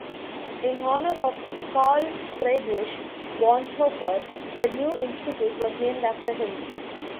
In honour of Karl Friedrich Bonhoeffer, the new institute was named after him.